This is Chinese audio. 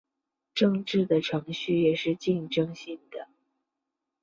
政治的程序也是竞争性的。